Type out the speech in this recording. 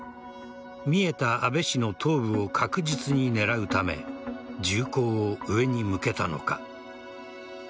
見えた安倍氏の頭部を確実に狙うため銃口を上に向けたのか。